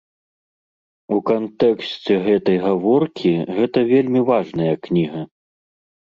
У кантэксце гэтай гаворкі гэта вельмі важная кніга.